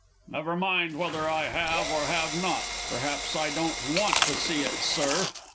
Never mind whether I have or have not. Perhaps I don't want to see it, Sir!